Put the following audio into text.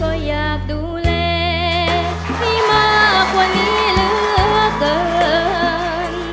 ก็อยากดูแลให้มากกว่านี้เหลือเกิน